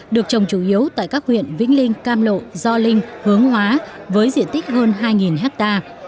được trồng chủ yếu tại các huyện vĩnh linh cam lộ gio linh hướng hóa với diện tích hơn hai hectare